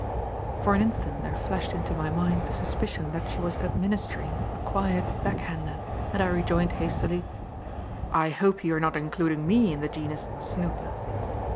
For an instant there flashed into my mind the suspicion that she was administering a quiet "backhander", and I rejoined hastily: "I hope you are not including me in the genus 'snooper'."